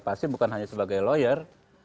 pasti bukan hanya sebagai lawyer